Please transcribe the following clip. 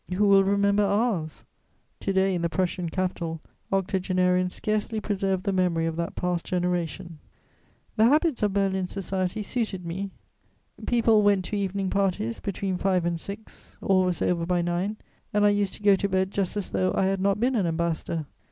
Who will remember ours? To day, in the Prussian capital, octogenarians scarcely preserve the memory of that past generation. [Sidenote: Berlin society.] The habits of Berlin society suited me: people "went to evening parties" between five and six; all was over by nine, and I used to go to bed just as though I had not been an ambassador.